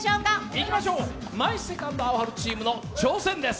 いきましょう、「マイ・セカンド・アオハル」チームの挑戦です。